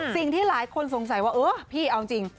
มีใครสงสัยว่าเออพี่เอาจริง